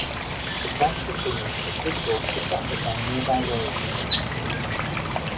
The plant in bloom is visible to traffic on nearby roads.